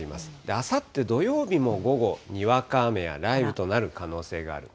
あさって土曜日も午後、にわか雨や雷雨となる可能性がある。